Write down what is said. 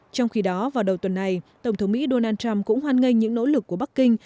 trong khi đó vào đầu tuần này tổng thống mỹ donald trump cũng hoan nghênh những nỗ lực của bắc kinh